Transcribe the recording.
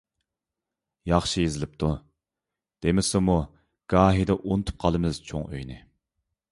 ياخشى يېزىلىپتۇ. دېمىسىمۇ گاھىدا ئۇنتۇپ قالىمىز چوڭ ئۆينى.